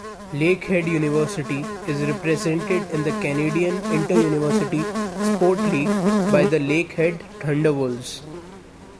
Lakehead University is represented in the Canadian Interuniversity Sport league by the Lakehead Thunderwolves.